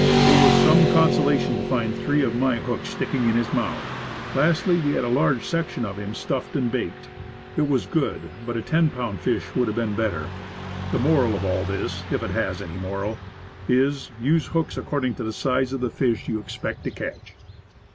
It was some consolation to find three of my hooks sticking in his mouth. Lastly, we had a large section of him stuffed and baked. It was good; but a ten pound fish would have been better. The moral of all this if it has any moral is, use hooks accord ing to the size of fish you expect to catch.